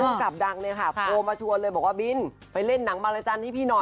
ภูมิกับดังเนี่ยค่ะโทรมาชวนเลยบอกว่าบินไปเล่นหนังมารจันทร์ให้พี่หน่อย